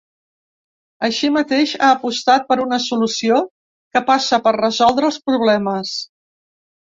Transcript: Així mateix, ha apostat per una solució que passa per resoldre els problemes.